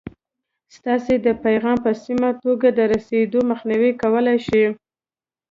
ستاسې د پیغام په سمه توګه د رسېدو مخنیوی کولای شي.